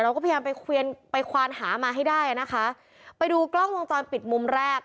เราก็พยายามไปเควีนไปควานหามาให้ได้อ่ะนะคะไปดูกล้องวงจรปิดมุมแรก